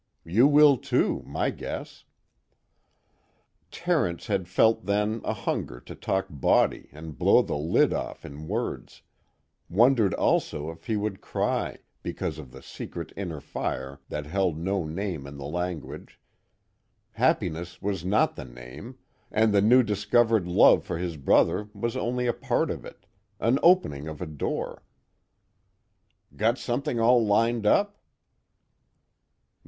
You will too, my guess." Terence had felt then a hunger to talk bawdy and blow the lid off in words; wondered also if he would cry, because of the secret inner fire that held no name in the language: happiness was not the name, and the new discovered love for his brother was only a part of it, an opening of a door. "Got something all lined up?"